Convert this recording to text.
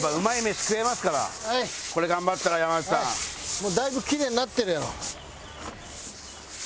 もうだいぶキレイになってるやろ。